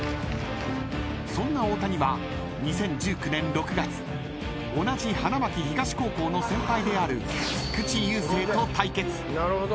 ［そんな大谷は２０１９年６月同じ花巻東高校の先輩である菊池雄星と対決］